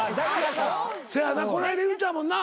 せやなこないだ言うてたもんな。